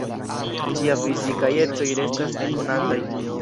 Ĝia fizikaj ecoj restas nekonataj.